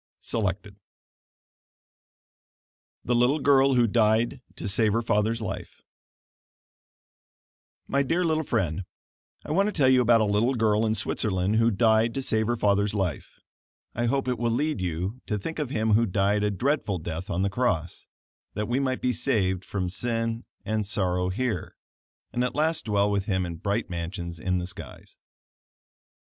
Selected THE LITTLE GIRL WHO DIED TO SAVE HER FATHER'S LIFE My dear little friend: I want to tell you about a little girl in Switzerland who died to save her father's life. I hope it will lead you to think of Him who died a dreadful death on the cross, that we might be saved from sin and sorrow here, and at last dwell with Him in bright mansions in the skies.